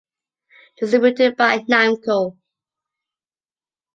Distributed by Namco.